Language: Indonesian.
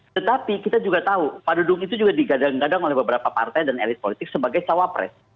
tetapi kita juga tahu pak dudung itu juga digadang gadang oleh beberapa partai dan elit politik sebagai cawapres